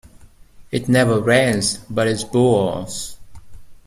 It never rains but it pours.